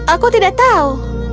aku tidak tahu